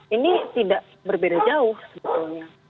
ini tidak berbeda jauh sebetulnya